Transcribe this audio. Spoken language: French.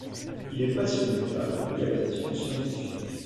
Il est passionné par la vulgarisation scientifique.